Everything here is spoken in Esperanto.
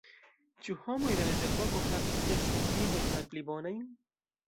Ĉu homoj de mezepoko havis seksajn vivojn malpli bonajn?